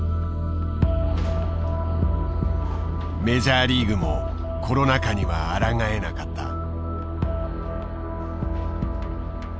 メジャーリーグもコロナ禍にはあらがえなかった。